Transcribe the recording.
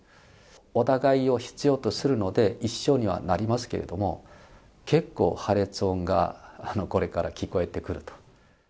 お互いを必要とするので、一緒にはなりますけれども、結構破裂音がこれから聞こえてくると。